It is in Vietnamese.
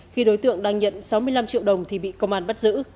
khi đối tượng đang nhận sáu mươi năm triệu đồng thì bị công an bắt giữ